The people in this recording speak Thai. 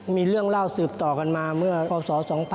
มีเรื่องเล่าสืบต่อกันมาเมื่อพศ๒๕๘